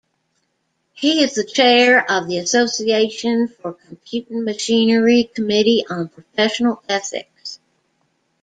He is the chair of the Association for Computing Machinery Committee on Professional Ethics.